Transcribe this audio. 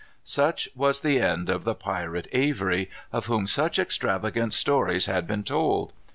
Such was the end of the pirate Avery, of whom such extravagant stories had been told.